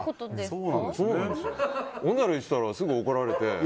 そんなのしたらすぐ怒られて。